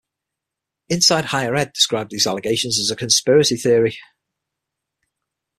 "Inside Higher Ed" described these allegations as a conspiracy theory.